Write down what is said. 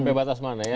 sampai batas mana ya